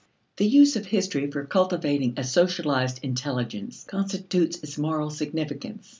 The use of history for cultivating a socialized intelligence constitutes its moral significance.